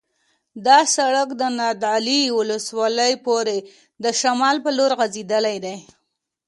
دا سرک د نادعلي ولسوالۍ پورې د شمال په لور غځېدلی دی